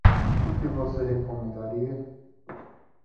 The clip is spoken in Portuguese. O que você recomendaria?